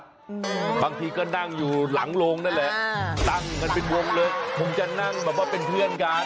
บางทีก็นั่งอยู่หลังโรงนั่นแหละอ่าตั้งกันเป็นวงเลยคงจะนั่งแบบว่าเป็นเพื่อนกัน